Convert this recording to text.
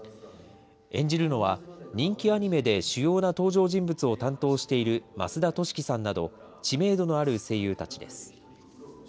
演じるのは、人気アニメで主要な登場人物を担当している増田俊樹さんなど、知名度のある声優たちです。